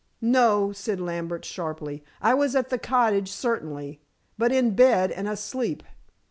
"No," said Lambert sharply, "I was at the cottage certainly, but in bed and asleep.